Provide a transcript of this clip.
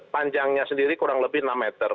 panjangnya sendiri kurang lebih enam meter